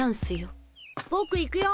ぼく行くよ。